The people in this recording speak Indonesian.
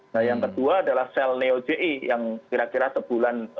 nah yang kedua adalah sel neo ji yang kira kira sebulan